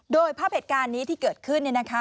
โดยภาพเหตุการณ์นี้ที่เกิดขึ้นเนี่ยนะคะ